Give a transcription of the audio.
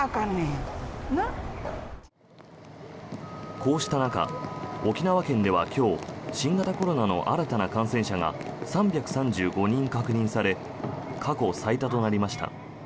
こうした中、沖縄県では今日新型コロナの新たな感染者が３３５人確認され過去最多となりました。